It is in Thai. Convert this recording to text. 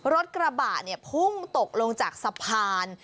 รถกระบะพุ่งตกลงจากสะพาน